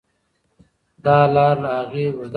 دا لار له هغې اوږده ده.